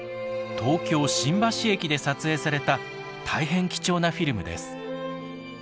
東京新橋駅で撮影された大変貴重なフィルムです。